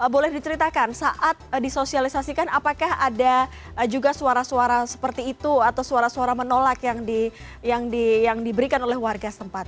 boleh diceritakan saat disosialisasikan apakah ada juga suara suara seperti itu atau suara suara menolak yang diberikan oleh warga setempat